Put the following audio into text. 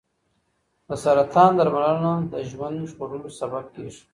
د سرطان درملنه د ژوند ژغورلو سبب کېږي.